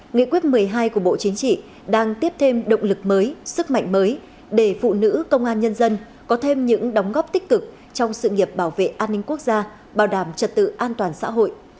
nghị quyết một mươi hai của bộ chính trị đang tiếp thêm động lực mới sức mạnh mới để phụ nữ công an nhân dân có thêm những đóng góp tích cực trong sự nghiệp bảo vệ an ninh quốc gia bảo đảm trật tự an toàn xã hội